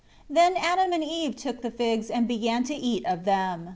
7 Then Adam and Eve took the figs and began to eat of them.